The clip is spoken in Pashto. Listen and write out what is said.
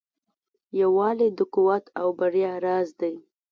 یووالی د قوت او بریا راز دی.